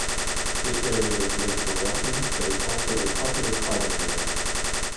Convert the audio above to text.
This area is great for walking but is also a popular climbing area.